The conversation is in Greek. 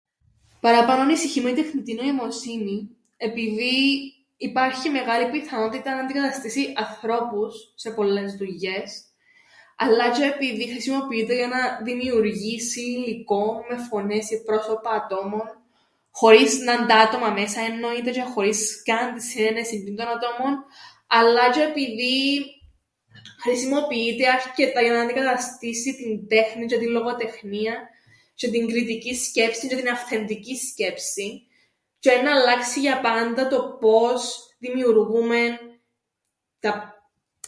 Παραπάνω ανησυχεί με η τεχνητή νοημοσύνη, επειδή υπάρχει μεγάλη πιθανότητα να αντικαταστήσει ανθρώπους σε πολλές δουλειές, αλλά τžαι επειδή χρησιμοποιείται για να δημιουργήσει υλικόν με φωνές ή πρόσωπα ατόμων χωρίς να 'ν' τα άτομα μέσα εννοείται τžαι χωρίς καν την συναίνεσην τžείντων ατόμων αλλά τžαι επειδή χρησιμοποιείται αρκετά για να αντικαταστήσει την τέχνην τžαι την λογοτεχνίαν τžαι την κριτικήν σκέψην τžαι την αυθεντικήν σκέψην τžαι εννά αλλάξει για πάντα το πώς δημιουργούμεν τα-